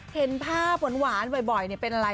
เห็นภาพหวานบ่อยเป็นอะไร